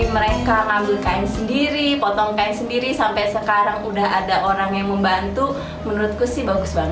mereka ngambil kain sendiri potong kain sendiri sampai sekarang udah ada orang yang membantu menurutku sih bagus banget